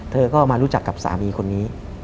เธอก็มารู้จักกับสามีคนนี้